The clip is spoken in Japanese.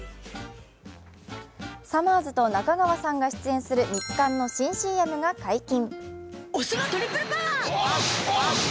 さまぁずと中川さんが出演するミツカンの新ＣＭが解禁。